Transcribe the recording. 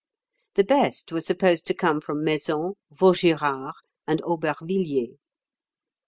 The best were supposed to come from Maisons, Vaugirard, and Aubervilliers.